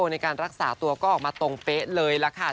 ในการรักษาตัวก็ออกมาตรงเป๊ะเลยล่ะค่ะ